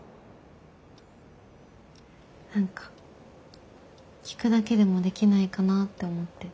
何か聞くだけでもできないかなって思って。